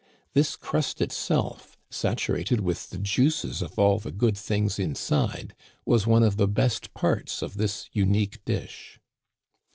This crust itself, saturated with the juices of all the good things inside, was one of the best parts of this unique dish.